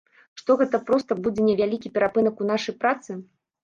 Што гэта проста будзе невялікі перапынак у нашай працы.